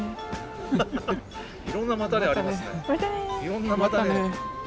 いろんな「またね」ありますね。